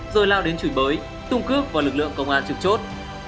rồi lao đến chửi bới tung cước vào lực lượng công an trực chốt